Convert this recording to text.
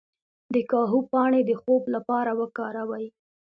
د کاهو پاڼې د خوب لپاره وکاروئ